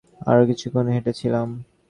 আরো কিছুক্ষণ হেঁটেছিলাম।